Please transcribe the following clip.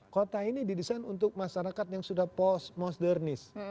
kota ini didesain untuk masyarakat yang sudah postmodernis